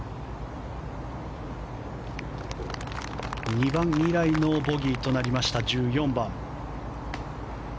２番以来のボギーとなりました１４番。